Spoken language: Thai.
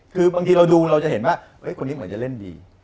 คือบางทีเราดูเราจะเห็นว่าคนนี้เหมือนจะเล่นดี